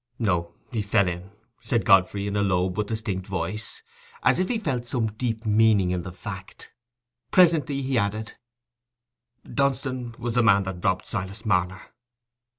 "No, he fell in," said Godfrey, in a low but distinct voice, as if he felt some deep meaning in the fact. Presently he added: "Dunstan was the man that robbed Silas Marner."